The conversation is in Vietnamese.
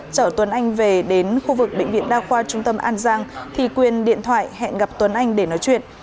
chở tuấn anh về đến khu vực bệnh viện đa khoa trung tâm an giang thì quyền điện thoại hẹn gặp tuấn anh để nói chuyện